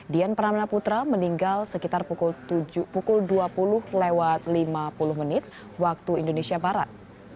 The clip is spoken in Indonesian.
dian pramana putra meninggal sekitar pukul dua puluh lewat lima puluh menit waktu indonesia barat